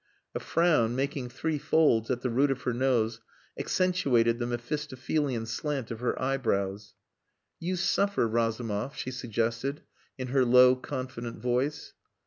A frown, making three folds at the root of her nose, accentuated the Mephistophelian slant of her eyebrows. "You suffer, Razumov," she suggested, in her low, confident voice.